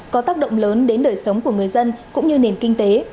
có tác động lớn đến đời sống của người dân cũng như nền kinh tế